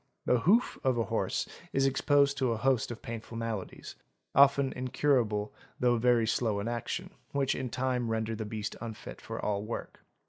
the hoof of a horse is exposed to a host of painful maladies—often incur able though very slow in action, which in time render the beast unfit for all work.